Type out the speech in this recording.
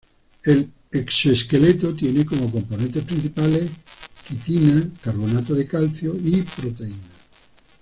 El exoesqueleto tiene como componentes principales quitina, carbonato de calcio y proteínas.